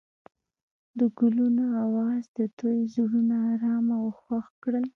د ګلونه اواز د دوی زړونه ارامه او خوښ کړل.